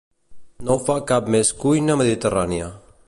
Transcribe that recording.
no ho fa cap més cuina mediterrània